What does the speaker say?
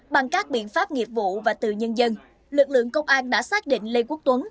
bằng các biện pháp nghiệp vụ và từ nhân dân lực lượng công an đã xác định lê quốc tuấn